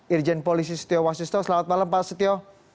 irjen polisi setio wasisto selamat malam pak setio